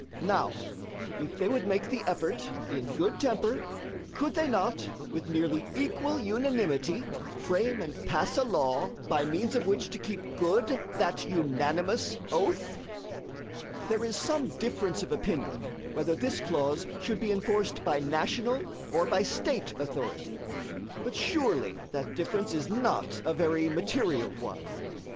Now, if they would make the effort in good temper, could they not with nearly equal unanimity frame and pass a law by means of which to keep good that unanimous oath? There is some difference of opinion whether this clause should be enforced by national or by State authority; but surely that difference is not a very material one.